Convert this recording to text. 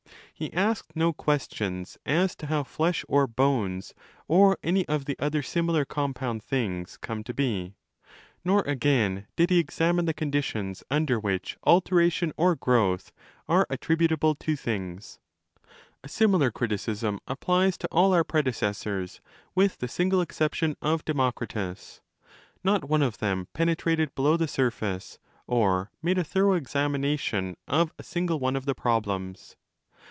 He asked no questions as to how flesh or bones, or any of the other similar compound things, come to be ; nor again did he examine the conditions under which 'alteration' or growth are attributable to things. A similar criticism applies to all our predecessors with the single exception of Demokritos. Not one of them pene 35 trated below the surface or made a thorough examination of a single one of the problems.